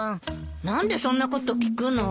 何でそんなこと聞くの？